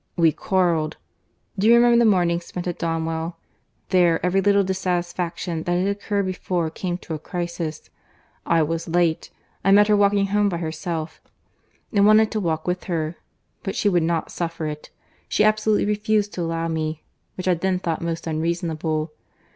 —We quarrelled.— Do you remember the morning spent at Donwell?—There every little dissatisfaction that had occurred before came to a crisis. I was late; I met her walking home by herself, and wanted to walk with her, but she would not suffer it. She absolutely refused to allow me, which I then thought most unreasonable.